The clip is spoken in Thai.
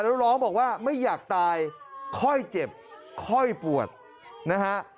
แล้วร้องบอกว่าไม่อยากตายค่อยเจ็บค่อยปวดนะฮะ